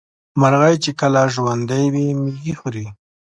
مرغۍ چې کله ژوندۍ وي مېږي خوري.